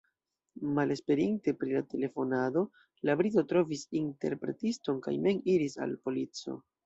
Malesperinte pri la telefonado, la brito trovis interpretiston kaj mem iris al polico.